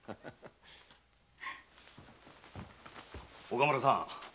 岡村さん